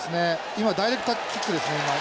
今ダイレクトキックですね。